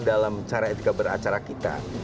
dalam cara etika beracara kita